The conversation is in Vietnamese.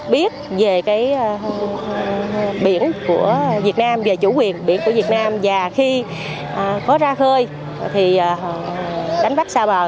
biết về cái biển của việt nam về chủ quyền biển của việt nam và khi có ra khơi thì đánh bắt xa bờ